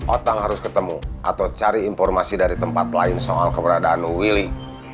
otang harus ketemu atau cari informasi dari tempat lain soal keberadaan willy